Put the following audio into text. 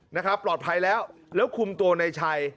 นะครับปลอดภัยแล้วแล้วคุมตัวในชัย